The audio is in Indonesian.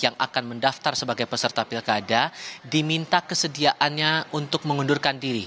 yang akan mendaftar sebagai peserta pilkada diminta kesediaannya untuk mengundurkan diri